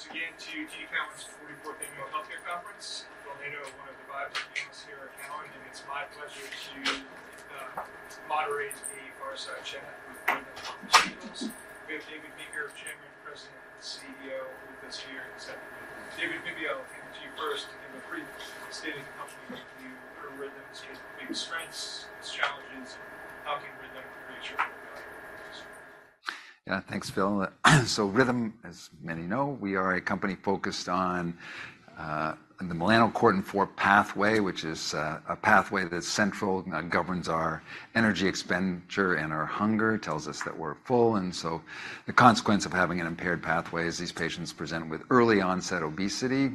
Welcome once again to TD Cowen's 44th Annual Healthcare Conference. I'm Phil, one of the biotech analysts here at Cowen, and it's my pleasure to moderate a fireside chat with Rhythm Pharmaceuticals. We have David Meeker, Chairman, President, and CEO with us here this afternoon. David, maybe I'll hand it to you first to give a brief statement of the company review, your Rhythm's, your biggest strengths, its challenges, and how can Rhythm create short-term value for the industry. Yeah, thanks, Phil. So Rhythm, as many know, we are a company focused on the melanocortin-4 pathway, which is a pathway that's central, governs our energy expenditure and our hunger, tells us that we're full. And so the consequence of having an impaired pathway is these patients present with early-onset obesity,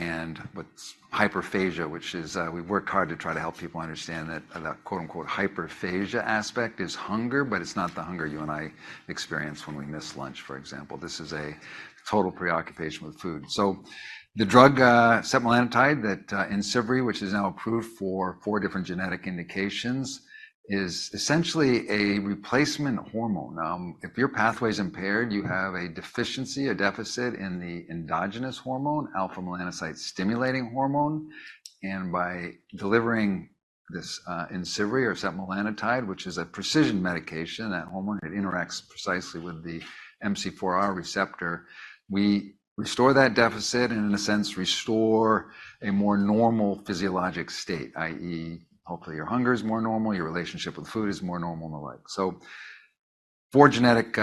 and what's hyperphagia, which is we've worked hard to try to help people understand that that "hyperphagia" aspect is hunger, but it's not the hunger you and I experience when we miss lunch, for example. This is a total preoccupation with food. So the drug, setmelanotide that in IMCIVREE, which is now approved for four different genetic indications, is essentially a replacement hormone. If your pathway's impaired, you have a deficiency, a deficit in the endogenous hormone, alpha-melanocyte-stimulating hormone. And by delivering this, in IMCIVREE or setmelanotide, which is a precision medication, that hormone, it interacts precisely with the MC4R receptor. We restore that deficit and, in a sense, restore a more normal physiologic state, i.e., hopefully your hunger is more normal, your relationship with food is more normal, and the like. So four genetic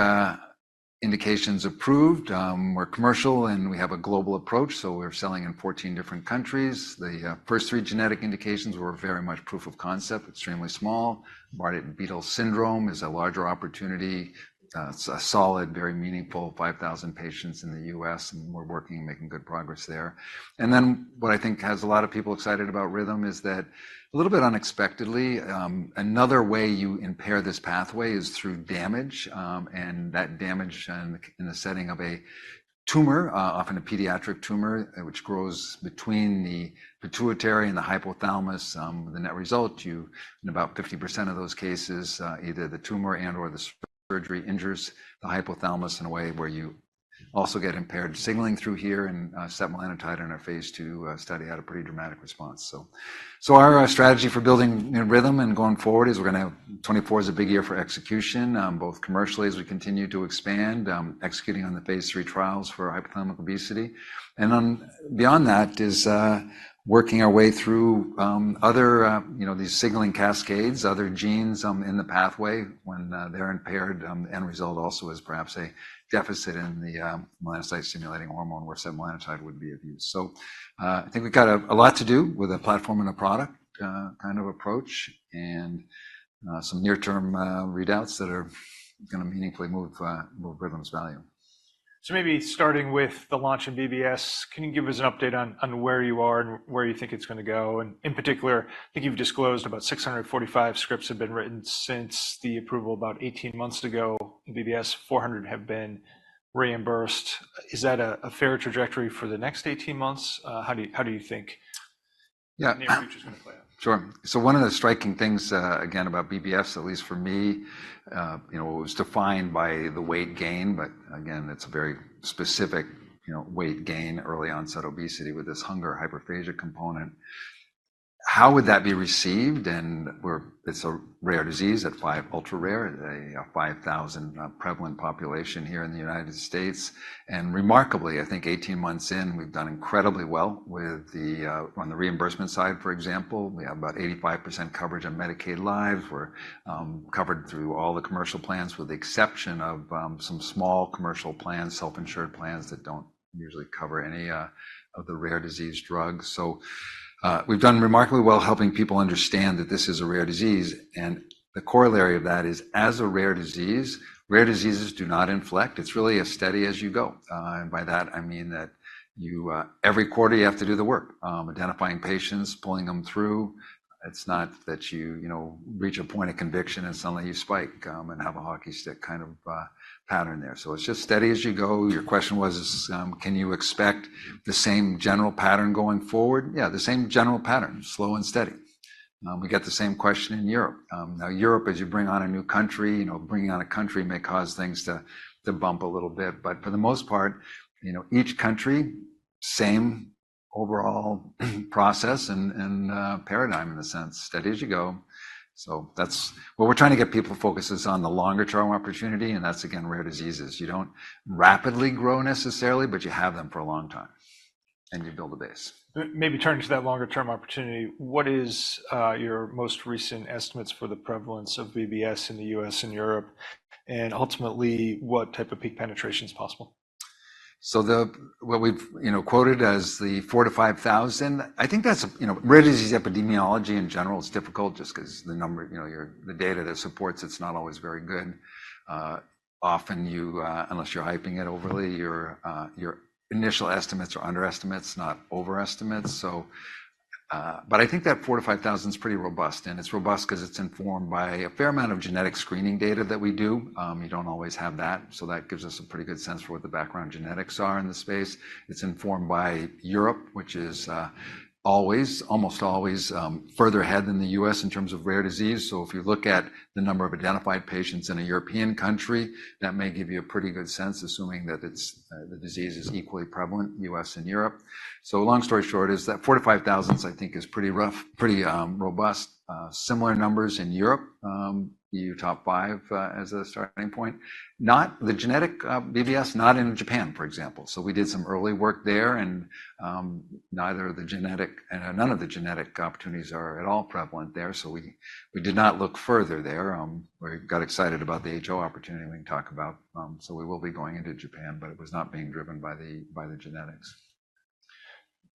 indications approved. We're commercial and we have a global approach, so we're selling in 14 different countries. The first three genetic indications were very much proof of concept, extremely small. Bardet-Biedl syndrome is a larger opportunity. It's a solid, very meaningful 5,000 patients in the U.S., and we're working and making good progress there. And then what I think has a lot of people excited about Rhythm is that, a little bit unexpectedly, another way you impair this pathway is through damage. and that damage in the setting of a tumor, often a pediatric tumor, which grows between the pituitary and the hypothalamus. The net result, you in about 50% of those cases, either the tumor and/or the surgery injures the hypothalamus in a way where you also get impaired signaling through here and, setmelanotide in our phase II study had a pretty dramatic response. So, our strategy for building Rhythm and going forward is we're going to have 2024 is a big year for execution, both commercially as we continue to expand, executing on the phase III trials for hypothalamic obesity. And on beyond that is, working our way through, other, you know, these signaling cascades, other genes, in the pathway when, they're impaired. The end result also is perhaps a deficit in the melanocyte-stimulating hormone where setmelanotide would be of use. So, I think we've got a lot to do with a platform and a product, kind of approach and some near-term readouts that are going to meaningfully move Rhythm's value. So maybe starting with the launch in BBS, can you give us an update on where you are and where you think it's going to go? And in particular, I think you've disclosed about 645 scripts have been written since the approval about 18 months ago in BBS, 400 have been reimbursed. Is that a fair trajectory for the next 18 months? How do you think the near future is going to play out? Yeah, sure. So one of the striking things, again, about BBS, at least for me, you know, it was defined by the weight gain, but again, it's a very specific, you know, weight gain, early-onset obesity with this hunger, hyperphagia component. How would that be received? And we're it's a rare disease, that five ultra-rare, a 5,000 prevalent population here in the United States. And remarkably, I think 18 months in, we've done incredibly well with the, on the reimbursement side, for example, we have about 85% coverage on Medicaid lives. We're, covered through all the commercial plans with the exception of, some small commercial plans, self-insured plans that don't usually cover any, of the rare disease drugs. So, we've done remarkably well helping people understand that this is a rare disease. And the corollary of that is, as a rare disease, rare diseases do not inflect. It's really a steady as you go. And by that, I mean that you, every quarter you have to do the work, identifying patients, pulling them through. It's not that you, you know, reach a point of conviction and suddenly you spike, and have a hockey stick kind of pattern there. So it's just steady as you go. Your question was, can you expect the same general pattern going forward? Yeah, the same general pattern, slow and steady. We get the same question in Europe. Now Europe, as you bring on a new country, you know, bringing on a country may cause things to, to bump a little bit. But for the most part, you know, each country, same overall process and, and paradigm in a sense, steady as you go. So that's what we're trying to get people to focus is on the longer-term opportunity. That's, again, rare diseases. You don't rapidly grow necessarily, but you have them for a long time and you build a base. Maybe turning to that longer-term opportunity, what is your most recent estimates for the prevalence of BBS in the U.S. and Europe? And ultimately, what type of peak penetration is possible? So what we've, you know, quoted as the 4,000-5,000, I think that's a, you know, rare disease epidemiology in general is difficult just because the number, you know, the data that supports it is not always very good. Often you, unless you're hyping it overly, your, your initial estimates are underestimates, not overestimates. So, but I think that 4,000-5,000 is pretty robust. And it's robust because it's informed by a fair amount of genetic screening data that we do. You don't always have that. So that gives us a pretty good sense for what the background genetics are in the space. It's informed by Europe, which is always, almost always, further ahead than the U.S. in terms of rare disease. So if you look at the number of identified patients in a European country, that may give you a pretty good sense, assuming that it's, the disease is equally prevalent, U.S. and Europe. So long story short is that 4,000-5,000, I think, is pretty rough, pretty robust. Similar numbers in Europe, you top five, as a starting point. Not the genetic BBS, not in Japan, for example. So we did some early work there and, neither the genetic and none of the genetic opportunities are at all prevalent there. So we did not look further there. We got excited about the HO opportunity we can talk about. So we will be going into Japan, but it was not being driven by the genetics.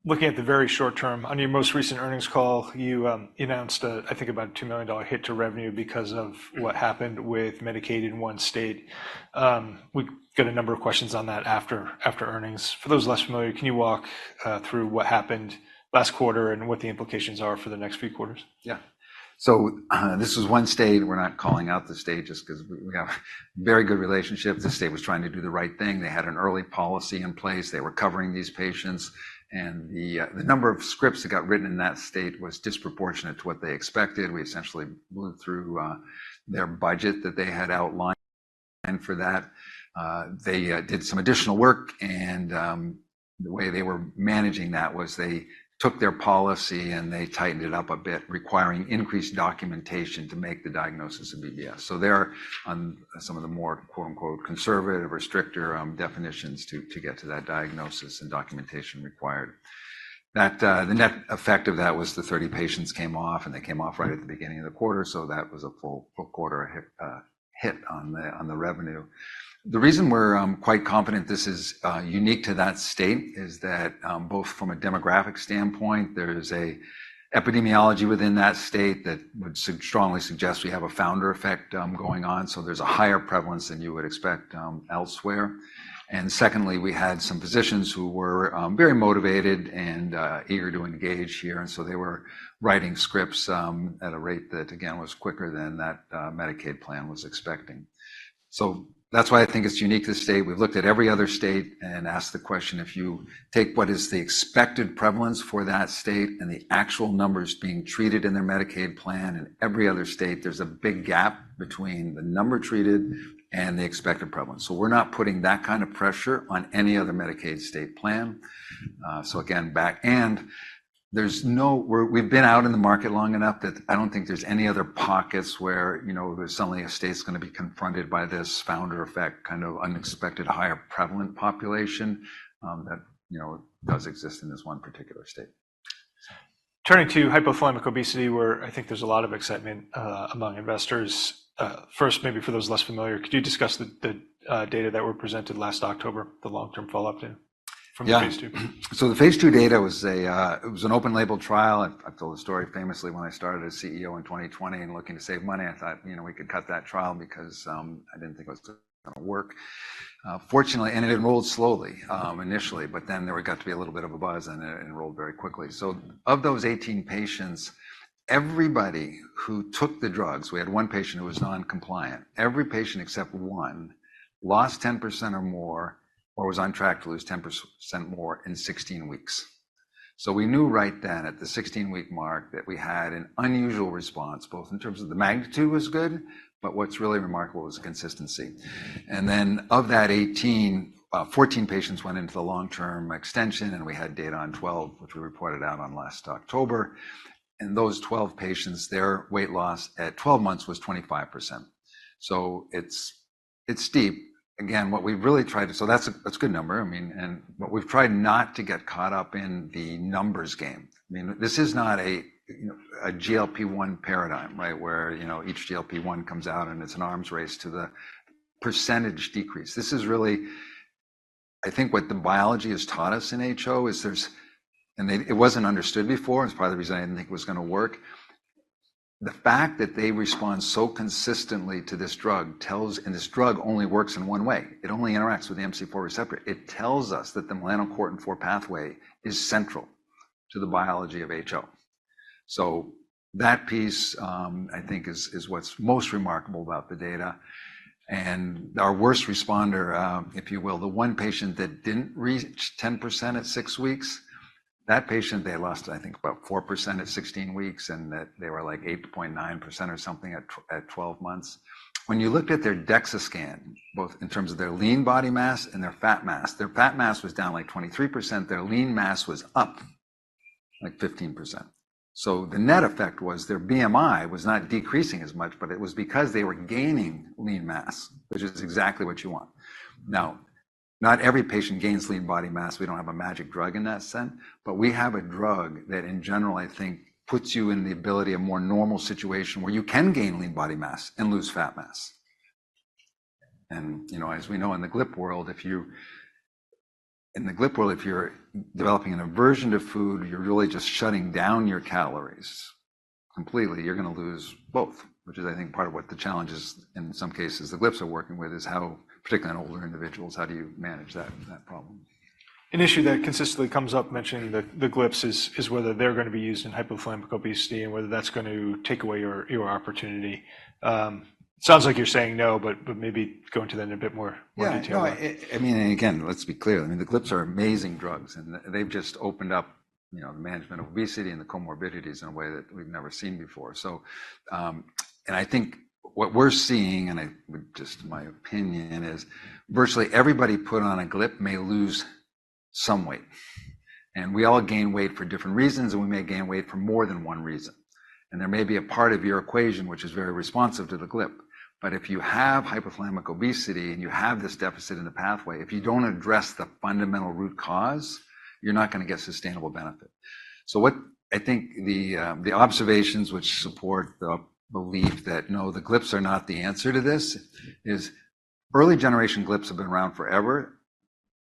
Looking at the very short term, on your most recent earnings call, you announced a, I think, about $2 million hit to revenue because of what happened with Medicaid in one state. We got a number of questions on that after earnings. For those less familiar, can you walk through what happened last quarter and what the implications are for the next few quarters? Yeah. So, this was one state. We're not calling out the state just because we have a very good relationship. This state was trying to do the right thing. They had an early policy in place. They were covering these patients. And the number of scripts that got written in that state was disproportionate to what they expected. We essentially blew through their budget that they had outlined for that. They did some additional work. And the way they were managing that was they took their policy and they tightened it up a bit, requiring increased documentation to make the diagnosis of BBS. So they're on some of the more "conservative" or stricter definitions to get to that diagnosis and documentation required. That, the net effect of that was the 30 patients came off and they came off right at the beginning of the quarter. So that was a full quarter hit on the revenue. The reason we're quite confident this is unique to that state is that, both from a demographic standpoint, there's an epidemiology within that state that would strongly suggest we have a founder effect going on. So there's a higher prevalence than you would expect elsewhere. And secondly, we had some physicians who were very motivated and eager to engage here. And so they were writing scripts at a rate that, again, was quicker than that Medicaid plan was expecting. So that's why I think it's unique to the state. We've looked at every other state and asked the question, if you take what is the expected prevalence for that state and the actual numbers being treated in their Medicaid plan in every other state, there's a big gap between the number treated and the expected prevalence. So we're not putting that kind of pressure on any other Medicaid state plan. So again, there's no, we're, we've been out in the market long enough that I don't think there's any other pockets where, you know, there's suddenly a state's going to be confronted by this founder effect, kind of unexpected higher prevalent population, that, you know, does exist in this one particular state. Turning to hypothalamic obesity, where I think there's a lot of excitement among investors. First, maybe for those less familiar, could you discuss the data that were presented last October, the long-term follow-up data from the phase II? Yeah. So the phase II data was, it was an open-label trial. I told the story famously when I started as CEO in 2020 and looking to save money. I thought, you know, we could cut that trial because, I didn't think it was going to work. Fortunately, and it enrolled slowly, initially, but then there got to be a little bit of a buzz and it enrolled very quickly. So of those 18 patients, everybody who took the drugs, we had one patient who was noncompliant. Every patient except one lost 10% or more or was on track to lose 10% more in 16 weeks. So we knew right then at the 16-week mark that we had an unusual response, both in terms of the magnitude was good, but what's really remarkable was the consistency. And then of that 18, 14 patients went into the long-term extension and we had data on 12, which we reported out on last October. And those 12 patients, their weight loss at 12 months was 25%. So it's, it's steep. Again, what we've really tried to so that's a, that's a good number. I mean, and what we've tried not to get caught up in the numbers game. I mean, this is not a, you know, a GLP-1 paradigm, right, where, you know, each GLP-1 comes out and it's an arms race to the percentage decrease. This is really, I think what the biology has taught us in HO is there's and they it wasn't understood before. It's part of the reason I didn't think it was going to work. The fact that they respond so consistently to this drug tells and this drug only works in one way. It only interacts with the MC4 receptor. It tells us that the melanocortin-4 pathway is central to the biology of HO. So that piece, I think is what's most remarkable about the data. And our worst responder, if you will, the one patient that didn't reach 10% at six weeks, that patient, they lost, I think, about 4% at 16 weeks and that they were like 8.9% or something at 12 months. When you looked at their DEXA scan, both in terms of their lean body mass and their fat mass, their fat mass was down like 23%. Their lean mass was up like 15%. So the net effect was their BMI was not decreasing as much, but it was because they were gaining lean mass, which is exactly what you want. Now, not every patient gains lean body mass. We don't have a magic drug in that sense. But we have a drug that in general, I think, puts you in the ability of more normal situation where you can gain lean body mass and lose fat mass. And, you know, as we know in the GLP world, if you in the GLP world, if you're developing an aversion to food, you're really just shutting down your calories completely, you're going to lose both, which is, I think, part of what the challenges in some cases the GLPs are working with is how, particularly in older individuals, how do you manage that, that problem? An issue that consistently comes up mentioning the GLPs is whether they're going to be used in hypothalamic obesity and whether that's going to take away your opportunity. Sounds like you're saying no, but maybe go into that in a bit more detail. Yeah. No, I mean, and again, let's be clear. I mean, the GLPs are amazing drugs and they've just opened up, you know, the management of obesity and the comorbidities in a way that we've never seen before. So, and I think what we're seeing, and I would just, my opinion is virtually everybody put on a GLP may lose some weight. And we all gain weight for different reasons and we may gain weight for more than one reason. And there may be a part of your equation, which is very responsive to the GLP. But if you have hypothalamic obesity and you have this deficit in the pathway, if you don't address the fundamental root cause, you're not going to get sustainable benefit. So what I think the observations which support the belief that, no, the GLPs are not the answer to this is early generation GLPs have been around forever.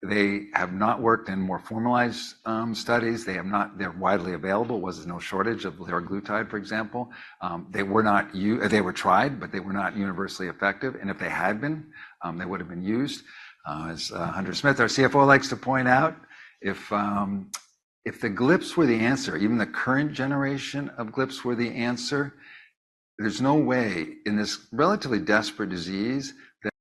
They have not worked in more formalized studies. They have not, they're widely available. Was there no shortage of liraglutide, for example? They were not used; they were tried, but they were not universally effective. And if they had been, they would have been used. As Hunter Smith, our CFO, likes to point out, if the GLPs were the answer, even the current generation of GLPs were the answer, there's no way in this relatively desperate disease that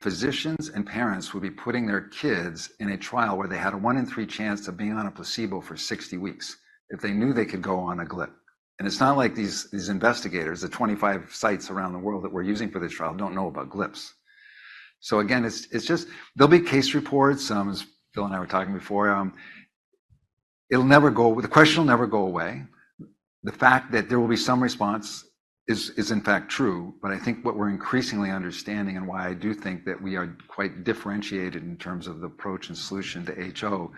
physicians and parents would be putting their kids in a trial where they had a one in three chance of being on a placebo for 60 weeks if they knew they could go on a GLP. And it's not like these investigators, the 25 sites around the world that we're using for this trial don't know about GLPs. So again, it's just there'll be case reports, as Phil and I were talking before. It'll never go. The question will never go away. The fact that there will be some response is in fact true. But I think what we're increasingly understanding and why I do think that we are quite differentiated in terms of the approach and solution to HO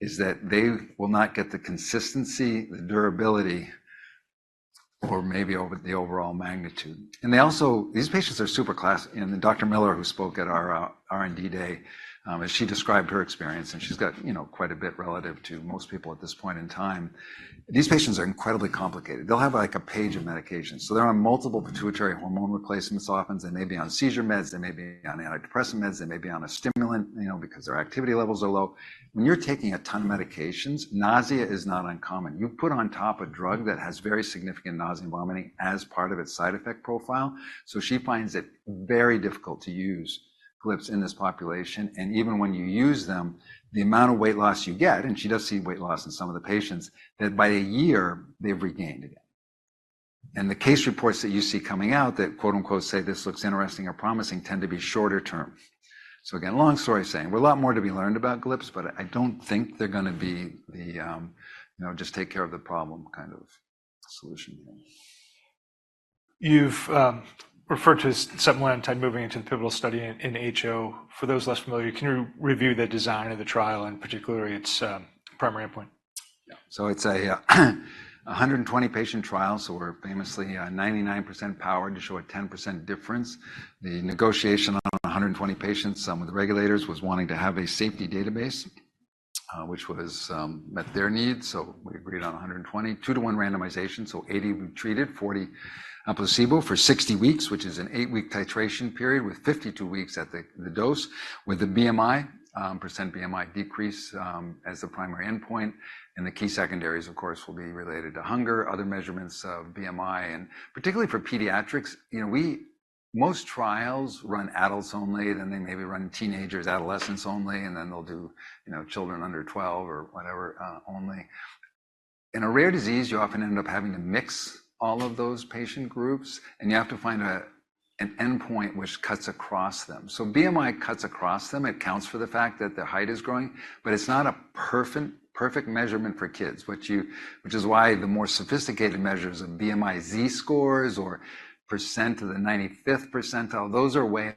is that they will not get the consistency, the durability, or maybe over the overall magnitude. And they also these patients are super classic. And Dr. Miller, who spoke at our R&D day, as she described her experience, and she's got, you know, quite a bit relative to most people at this point in time, these patients are incredibly complicated. They'll have like a page of medications. So they're on multiple pituitary hormone replacements often. They may be on seizure meds. They may be on antidepressant meds. They may be on a stimulant, you know, because their activity levels are low. When you're taking a ton of medications, nausea is not uncommon. You put on top a drug that has very significant nausea and vomiting as part of its side effect profile. So she finds it very difficult to use GLPs in this population. And even when you use them, the amount of weight loss you get, and she does see weight loss in some of the patients, that by a year, they've regained again. And the case reports that you see coming out that "say this looks interesting or promising" tend to be shorter term. So again, long story saying, there's a lot more to be learned about GLPs, but I don't think they're going to be the, you know, just take care of the problem kind of solution here. You've referred to something along the line moving into the pivotal study in HO. For those less familiar, can you review the design of the trial and particularly its primary endpoint? Yeah. So it's a 120-patient trial. So we're famously 99% powered to show a 10% difference. The negotiation on 120 patients with regulators was wanting to have a safety database, which was met their needs. So we agreed on 120, two to one randomization. So 80 were treated, 40 on placebo for 60 weeks, which is an eight-week titration period with 52 weeks at the dose with the BMI, percent BMI decrease, as the primary endpoint. And the key secondaries, of course, will be related to hunger, other measurements of BMI. And particularly for pediatrics, you know, we most trials run adults only. Then they maybe run teenagers, adolescents only, and then they'll do, you know, children under 12 or whatever, only. In a rare disease, you often end up having to mix all of those patient groups and you have to find an endpoint which cuts across them. So BMI cuts across them. It counts for the fact that their height is growing, but it's not a perfect, perfect measurement for kids, which is why the more sophisticated measures of BMI Z scores or percent of the 95th percentile, those are a way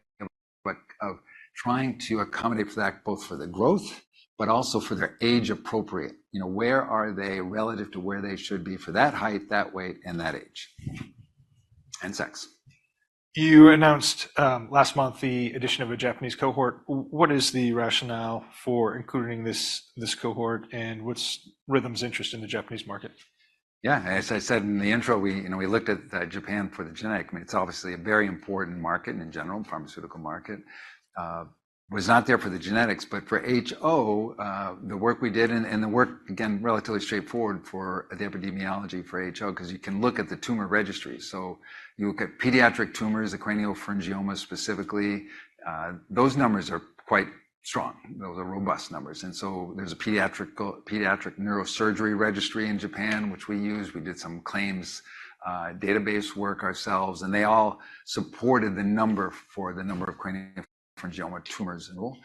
of trying to accommodate for that, both for the growth, but also for their age-appropriate, you know, where are they relative to where they should be for that height, that weight, and that age and sex. You announced last month the addition of a Japanese cohort. What is the rationale for including this cohort and what's Rhythm's interest in the Japanese market? Yeah. As I said in the intro, we, you know, we looked at Japan for the genetic. I mean, it's obviously a very important market in general, pharmaceutical market, was not there for the genetics. But for HO, the work we did and the work, again, relatively straightforward for the epidemiology for HO because you can look at the tumor registry. So you look at pediatric tumors, the craniopharyngioma specifically, those numbers are quite strong. Those are robust numbers. And so there's a pediatric neurosurgery registry in Japan, which we use. We did some claims database work ourselves, and they all supported the number for the number of craniopharyngioma tumors annual.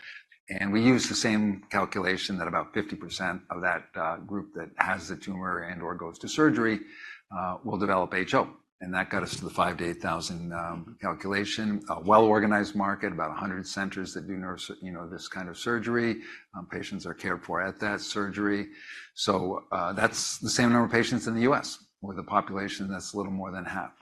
And we used the same calculation that about 50% of that group that has the tumor and/or goes to surgery, will develop HO. That got us to the 5,000-8,000 calculation, a well-organized market, about 100 centers that do neurosurgery, you know, this kind of surgery. Patients are cared for at that surgery. So, that's the same number of patients in the U.S. with a population that's a little more than half.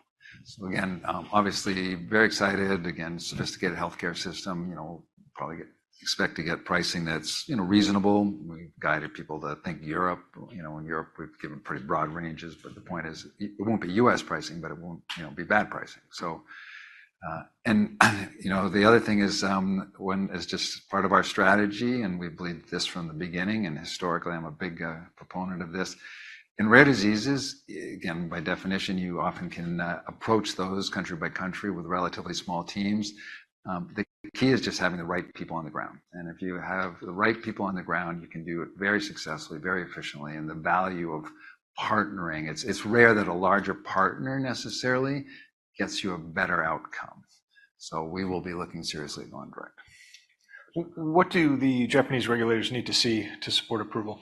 So again, obviously very excited. Again, sophisticated healthcare system, you know, probably expect to get pricing that's, you know, reasonable. We've guided people to think Europe, you know, in Europe, we've given pretty broad ranges. But the point is it won't be U.S. pricing, but it won't, you know, be bad pricing. So, you know, the other thing is, when it's just part of our strategy and we've believed this from the beginning and historically I'm a big proponent of this in rare diseases, again, by definition, you often can approach those country by country with relatively small teams. The key is just having the right people on the ground. And if you have the right people on the ground, you can do it very successfully, very efficiently. And the value of partnering, it's rare that a larger partner necessarily gets you a better outcome. So we will be looking seriously at going direct. What do the Japanese regulators need to see to support approval?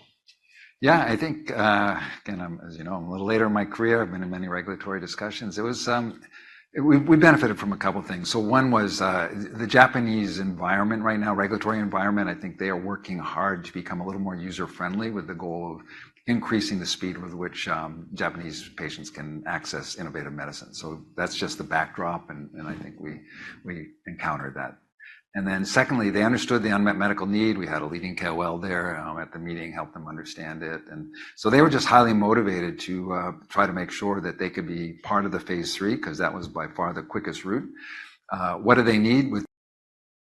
Yeah. I think, again, as you know, I'm a little later in my career. I've been in many regulatory discussions. It was, we've benefited from a couple of things. So one was, the Japanese environment right now, regulatory environment, I think they are working hard to become a little more user-friendly with the goal of increasing the speed with which, Japanese patients can access innovative medicine. So that's just the backdrop. And I think we encountered that. And then secondly, they understood the unmet medical need. We had a leading KOL there, at the meeting, helped them understand it. And so they were just highly motivated to, try to make sure that they could be part of the phase III because that was by far the quickest route. What do they need with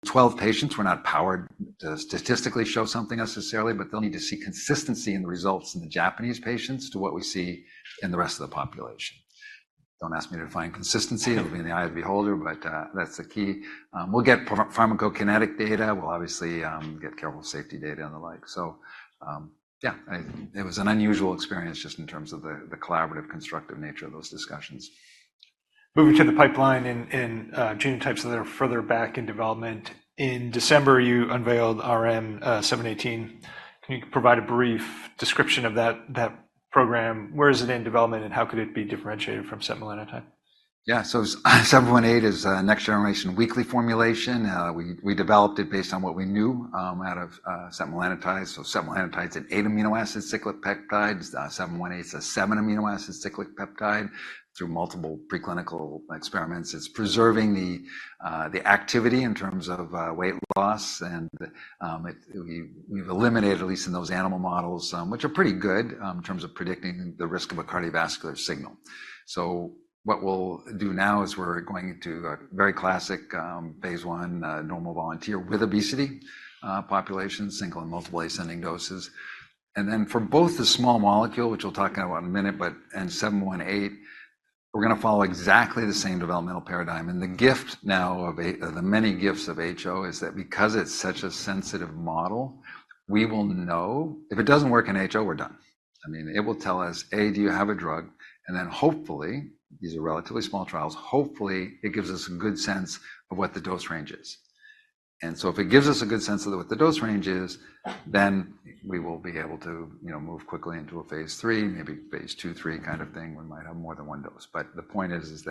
12 patients? We're not powered to statistically show something necessarily, but they'll need to see consistency in the results in the Japanese patients to what we see in the rest of the population. Don't ask me to define consistency. It'll be in the eye of the beholder, but that's the key. We'll get pharmacokinetic data. We'll obviously get careful safety data and the like. So, yeah, it was an unusual experience just in terms of the collaborative, constructive nature of those discussions. Moving to the pipeline in genotypes that are further back in development. In December, you unveiled RM-718. Can you provide a brief description of that program? Where is it in development and how could it be differentiated from setmelanotide? Yeah. So RM-718 is a next-generation weekly formulation. We developed it based on what we knew out of setmelanotide. So setmelanotide's an 8-amino acid cyclic peptide. RM-718's a 7-amino acid cyclic peptide. Through multiple preclinical experiments, it's preserving the activity in terms of weight loss. And we've eliminated, at least in those animal models, which are pretty good, in terms of predicting the risk of a cardiovascular signal. So what we'll do now is we're going into a very classic phase I, normal volunteer with obesity populations, single and multiple ascending doses. And then for both the small molecule, which we'll talk about in a minute, but and RM-718, we're going to follow exactly the same developmental paradigm. And the gift now of one of the many gifts of HO is that because it's such a sensitive model, we will know if it doesn't work in HO, we're done. I mean, it will tell us, "A, do you have a drug?" And then hopefully, these are relatively small trials, hopefully it gives us a good sense of what the dose range is. And so if it gives us a good sense of what the dose range is, then we will be able to, you know, move quickly into a phase III, maybe phase II-III kind of thing. We might have more than one dose. But the point is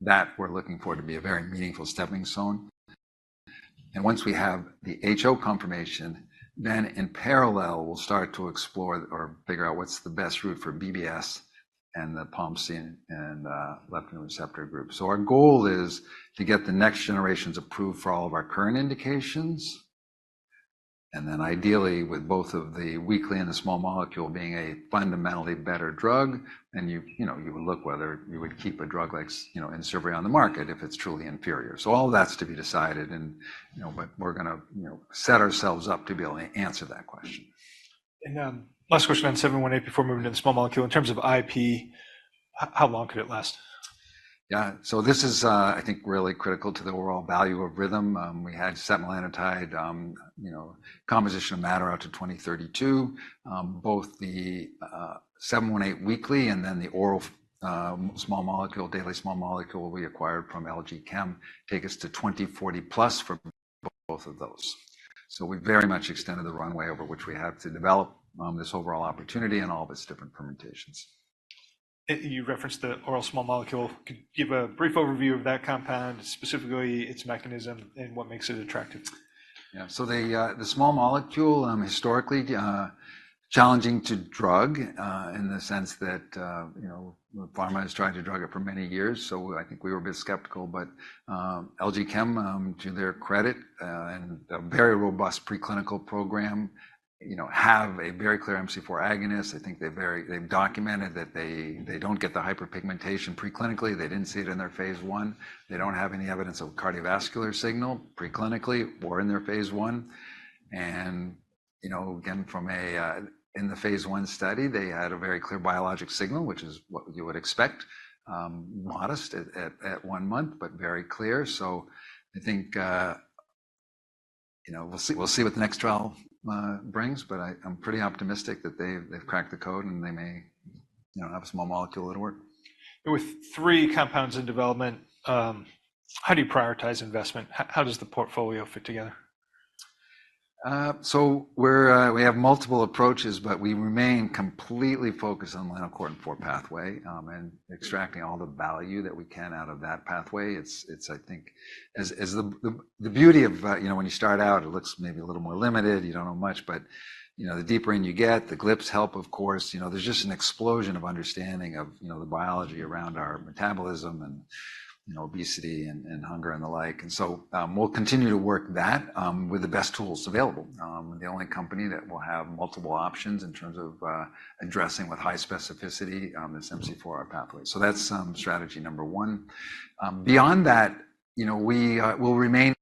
that we're looking for to be a very meaningful stepping stone. Once we have the HO confirmation, then in parallel, we'll start to explore or figure out what's the best route for BBS and the POMC and leptin receptor group. So our goal is to get the next generations approved for all of our current indications. And then ideally, with both of the weekly and the small molecule being a fundamentally better drug, then you know you would look whether you would keep a drug like, you know, IMCIVREE on the market if it's truly inferior. So all of that's to be decided. And, you know, but we're going to, you know, set ourselves up to be able to answer that question. Last question on 718 before moving into the small molecule. In terms of IP, how long could it last? Yeah. So this is, I think, really critical to the overall value of Rhythm. We had setmelanotide, you know, composition of matter out to 2032. Both the RM-718 weekly and then the oral small molecule, daily small molecule we acquired from LG Chem take us to 2040+ for both of those. So we very much extended the runway over which we had to develop this overall opportunity and all of its different formulations. You referenced the oral small molecule. Could you give a brief overview of that compound, specifically its mechanism and what makes it attractive? Yeah. So the small molecule, historically challenging to drug, in the sense that, you know, pharma has tried to drug it for many years. So I think we were a bit skeptical. But LG Chem, to their credit, and a very robust preclinical program, you know, have a very clear MC4 agonist. I think they've very documented that they don't get the hyperpigmentation preclinically. They didn't see it in their phase I. They don't have any evidence of cardiovascular signal preclinically or in their phase I. And, you know, again, in the phase I study, they had a very clear biologic signal, which is what you would expect, modest at one month, but very clear. So I think, you know, we'll see what the next trial brings. But I'm pretty optimistic that they've cracked the code and they may, you know, have a small molecule that'll work. With three compounds in development, how do you prioritize investment? How does the portfolio fit together? So we have multiple approaches, but we remain completely focused on melanocortin-4 pathway, and extracting all the value that we can out of that pathway. It's, I think, as the beauty of, you know, when you start out, it looks maybe a little more limited. You don't know much. But, you know, the deeper in you get, the GLPs help, of course. You know, there's just an explosion of understanding of, you know, the biology around our metabolism and, you know, obesity and hunger and the like. And so, we'll continue to work that, with the best tools available, the only company that will have multiple options in terms of, addressing with high specificity, this MC4R pathway. So that's, strategy number one. Beyond that, you know, we'll remain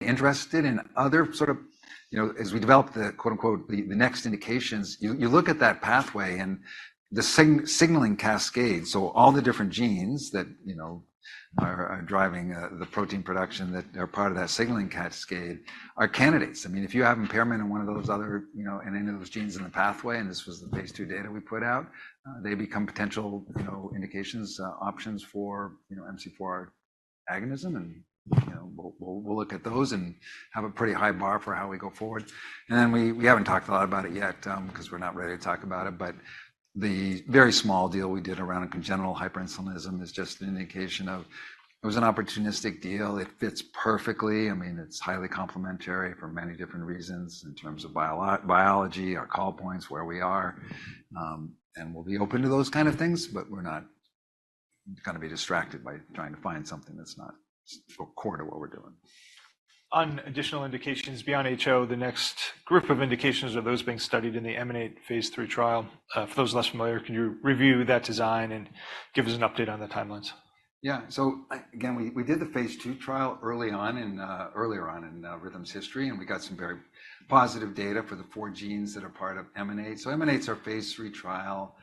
interested in other sort of, you know, as we develop the, quote-unquote, next indications, you look at that pathway and the signaling cascade. So all the different genes that, you know, are driving the protein production that are part of that signaling cascade are candidates. I mean, if you have impairment in one of those other, you know, in any of those genes in the pathway, and this was the phase II data we put out, they become potential, you know, indications, options for, you know, MC4R agonism. And, you know, we'll look at those and have a pretty high bar for how we go forward. And then we haven't talked a lot about it yet, because we're not ready to talk about it. But the very small deal we did around congenital hyperinsulinism is just an indication of it. It was an opportunistic deal. It fits perfectly. I mean, it's highly complementary for many different reasons in terms of biology, our call points, where we are, and we'll be open to those kind of things, but we're not going to be distracted by trying to find something that's not core to what we're doing. On additional indications beyond HO, the next group of indications are those being studied in the EMANATE phase III trial. For those less familiar, can you review that design and give us an update on the timelines? Yeah. So again, we did the phase II trial early on in, earlier on in, Rhythm's history, and we got some very positive data for the four genes that are part of EMANATE. So EMANATE's our phase III trial,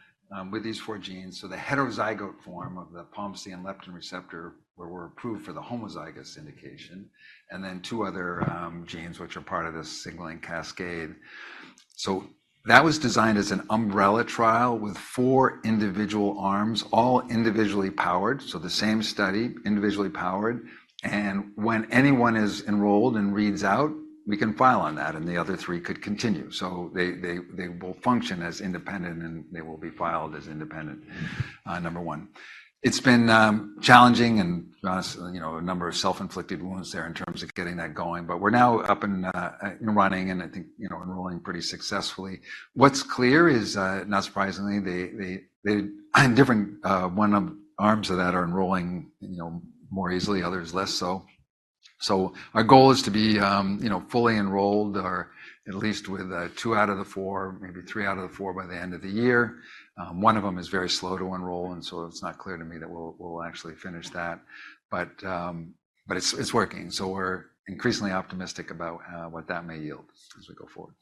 with these four genes. So the heterozygote form of the POMC and leptin receptor where we're approved for the homozygous indication and then two other genes, which are part of this signaling cascade. So that was designed as an umbrella trial with four individual arms, all individually powered. So the same study, individually powered. And when anyone is enrolled and reads out, we can file on that and the other three could continue. So they will function as independent and they will be filed as independent, number one. It's been challenging and, you know, a number of self-inflicted wounds there in terms of getting that going. But we're now up and running and I think, you know, enrolling pretty successfully. What's clear is, not surprisingly, they're different, one of the arms of that are enrolling, you know, more easily, others less so. So our goal is to be, you know, fully enrolled or at least with two out of the four, maybe three out of the four by the end of the year. One of them is very slow to enroll. And so it's not clear to me that we'll actually finish that. But it's working. So we're increasingly optimistic about what that may yield as we go forward.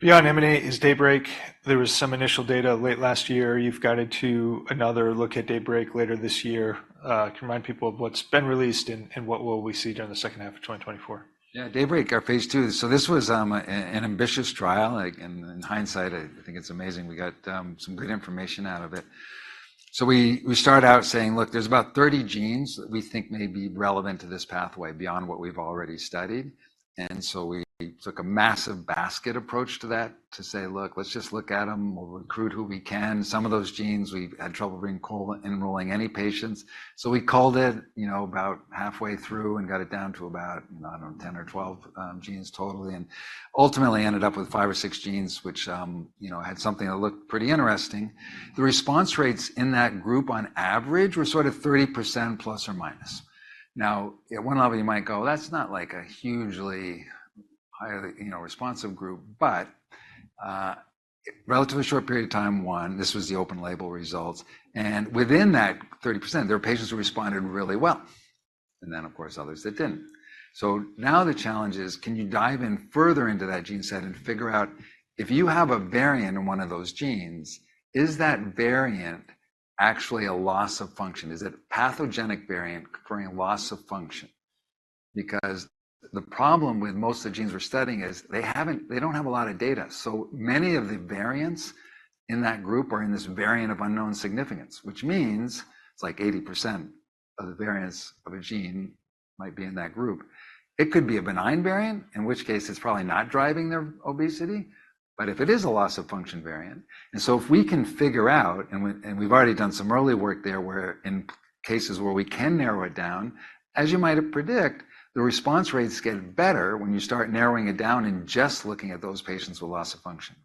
Beyond EMANATE is DAYBREAK. There was some initial data late last year. You've gotten to another look at DAYBREAK later this year. Can you remind people of what's been released and, and what will we see during the second half of 2024? Yeah. DAYBREAK, our phase II. So this was an ambitious trial. Like, in hindsight, I think it's amazing. We got some good information out of it. So we start out saying, "Look, there's about 30 genes that we think may be relevant to this pathway beyond what we've already studied." And so we took a massive basket approach to that to say, "Look, let's just look at them. We'll recruit who we can." Some of those genes, we've had trouble bringing co-enrolling any patients. So we called it, you know, about halfway through and got it down to about, you know, I don't know, 10 or 12 genes totally and ultimately ended up with five or six genes, which, you know, had something that looked pretty interesting. The response rates in that group on average were sort of 30% plus or minus. Now, at one level, you might go, "That's not like a hugely highly, you know, responsive group." But in a relatively short period of time, one, this was the open-label results. And within that 30%, there were patients who responded really well. And then, of course, others that didn't. So now the challenge is, can you dive in further into that gene set and figure out if you have a variant in one of those genes, is that variant actually a loss of function? Is it a pathogenic variant occurring loss of function? Because the problem with most of the genes we're studying is they don't have a lot of data. So many of the variants in that group are in this variant of unknown significance, which means it's like 80% of the variants of a gene might be in that group. It could be a benign variant, in which case it's probably not driving their obesity. But if it is a loss of function variant... And so if we can figure out, and we've already done some early work there where in cases where we can narrow it down, as you might have predicted, the response rates get better when you start narrowing it down and just looking at those patients with loss of function.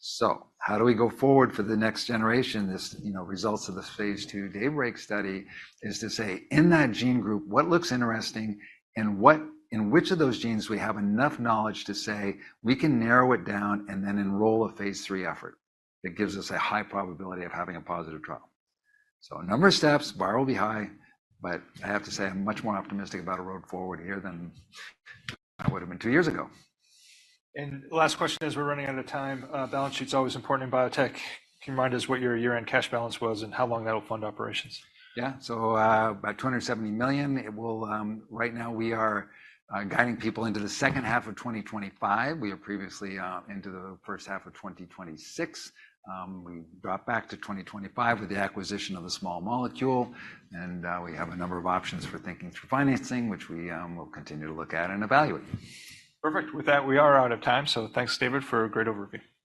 So how do we go forward for the next generation, this, you know, results of the phase II DAYBREAK study is to say, in that gene group, what looks interesting and what in which of those genes we have enough knowledge to say we can narrow it down and then enroll a phase III effort that gives us a high probability of having a positive trial. So a number of steps, bar will be high. But I have to say I'm much more optimistic about a road forward here than I would have been two years ago. Last question as we're running out of time. Balance sheet's always important in biotech. Can you remind us what your year-end cash balance was and how long that'll fund operations? Yeah. So, about $270 million. It will. Right now we are guiding people into the second half of 2025. We are previously into the first half of 2026. We dropped back to 2025 with the acquisition of the small molecule. We have a number of options for thinking through financing, which we will continue to look at and evaluate. Perfect. With that, we are out of time. Thanks, David, for a great overview. Thank you.